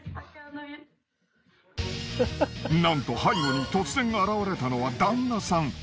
なんと背後に突然現れたのは旦那さん。